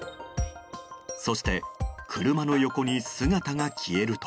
そして車の横に姿が消えると。